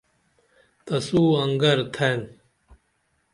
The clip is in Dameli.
تسو انگر تھین